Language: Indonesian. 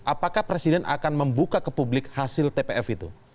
apakah presiden akan membuka ke publik hasil tpf itu